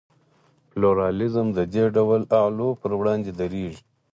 پلورالېزم د دې ډول اعلو پر وړاندې درېږي.